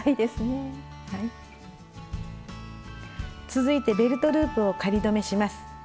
続いてベルトループを仮留めします。